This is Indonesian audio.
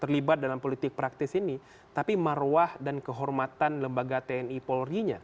terlibat dalam politik praktis ini tapi marwah dan kehormatan lembaga tni polri nya